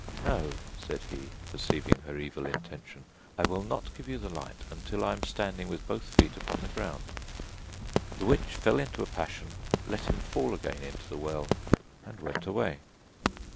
'No,' said he, perceiving her evil intention, 'I will not give you the light until I am standing with both feet upon the ground.' The witch fell into a passion, let him fall again into the well, and went away.